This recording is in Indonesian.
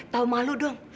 tahu malu dong